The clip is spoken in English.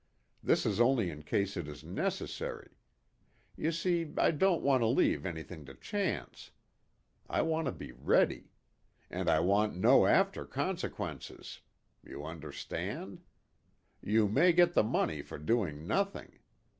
This is only in case it is necessary. You see I don't want to leave anything to chance. I want to be ready. And I want no after consequences. You understand? You may get the money for doing nothing.